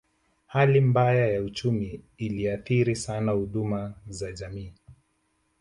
Hali mbaya ya uchumi iliathiri sana huduma za jamii